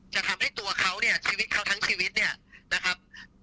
จะทำให้ตัวเขาชีวิตเขาทั้งชีวิตนะครับ